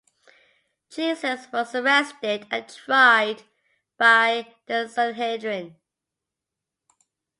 Jesus was arrested and tried by the Sanhedrin.